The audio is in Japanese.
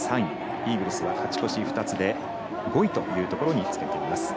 イーグルスは勝ち越し２つで５位というところにつけています。